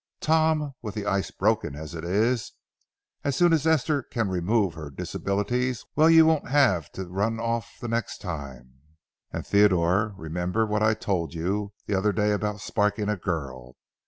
Tom, with the ice broken as it is, as soon as Esther can remove her disabilities—well, you won't have to run off the next time. And Theodore, remember what I told you the other day about sparking a girl.